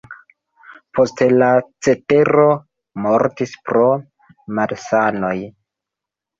Poste, la cetero mortis pro malsanoj.